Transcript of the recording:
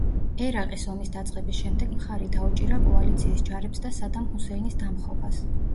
ერაყის ომის დაწყების შემდეგ მხარი დაუჭირა კოალიციის ჯარებს და სადამ ჰუსეინის დამხობას.